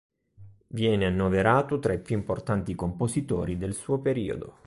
Viene annoverato tra i più importanti compositori del suo periodo.